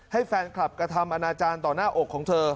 ให้แฟนคลับกระทำอนาจารย์ต่อหน้าอกของเธอ